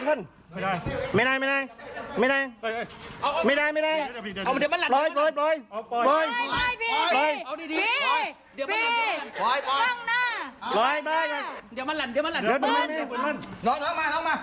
โอเคได้ไปด้วยกัน